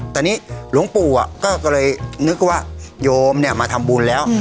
แต่นี้หลวงปู่อ่ะก็เลยนึกว่ายมเนี่ยมาทำบุญแล้ว